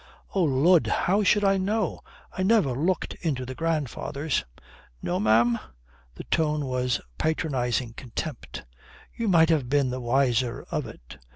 "Oh Lud, how should I know? I never looked into the grandfathers." "No, ma'am?" The tone was patronizing contempt. "You might have been the wiser of it.